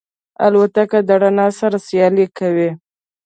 الوتکه د رڼا سره سیالي کوي.